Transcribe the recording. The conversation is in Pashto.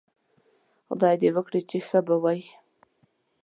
خدای دې وکړي چې ښه به وئ